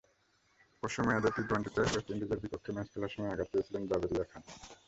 পরশু মেয়েদের টি-টোয়েন্টিতে ওয়েস্ট ইন্ডিজের বিপক্ষে ম্যাচ খেলার সময় আঘাত পেয়েছিলেন জাভেরিয়া খান।